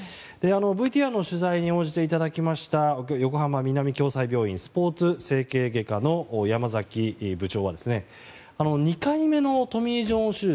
ＶＴＲで取材に応じてくださいました横浜南共済病院スポーツ整形外科の山崎部長は２回目のトミー・ジョン手術